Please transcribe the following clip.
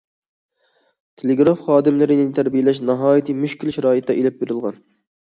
تېلېگراف خادىملىرىنى تەربىيەلەش ناھايىتى مۈشكۈل شارائىتتا ئېلىپ بېرىلغان.